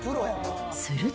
すると。